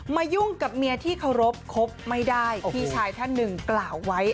ยุ่งกับเมียที่เคารพคบไม่ได้พี่ชายท่านหนึ่งกล่าวไว้